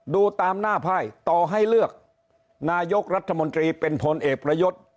ดูตามหน้าไพ่ต่อให้เลือกนายกรัฐมนตรีเป็นพลเอกประยุทธ์